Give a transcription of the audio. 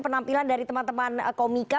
penampilan dari teman teman komika